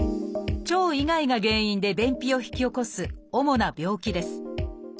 腸以外が原因で便秘を引き起こす主な病気です。